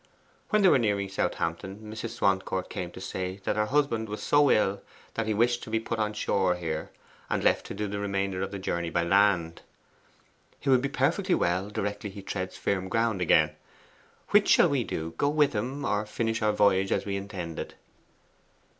When they were nearing Southampton, Mrs. Swancourt came to say that her husband was so ill that he wished to be put on shore here, and left to do the remainder of the journey by land. 'He will be perfectly well directly he treads firm ground again. Which shall we do go with him, or finish our voyage as we intended?